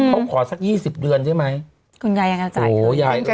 เขากับขอซัก๒๐เดือนใช่ไหม